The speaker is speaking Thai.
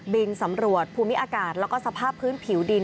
บินสำรวจภูมิอากาศแล้วก็สภาพพื้นผิวดิน